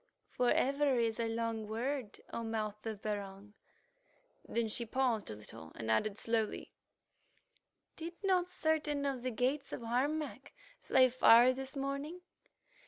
"For ever is a long word, O Mouth of Barung." Then she paused a little, and added slowly, "Did not certain of the gates of Harmac fly far this morning?